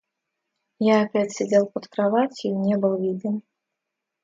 Я опять сидел под кроватью и не был виден.